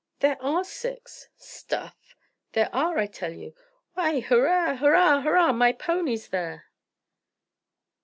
"There are six." "Stuff!" "There are, I tell you. Why, hurrah! hurrah! hurrah! My pony's there."